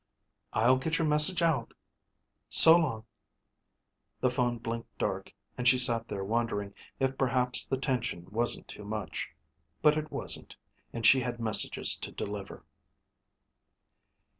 "I'll get your message out. So long." The phone blinked dark and she sat there wondering if perhaps the tension wasn't too much. But it wasn't, and she had messages to deliver.